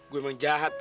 gue emang jahat kan